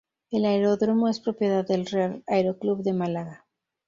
El aeródromo es propiedad del Real Aeroclub de Málaga.